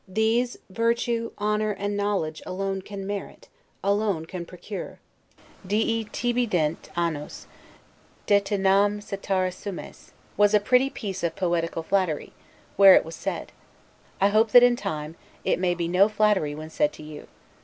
These, virtue, honor, and knowledge, alone can merit, alone can procure, 'Dii tibi dent annos, de te nam cetera sumes', was a pretty piece of poetical flattery, where it was said: I hope that, in time, it may be no flattery when said to you.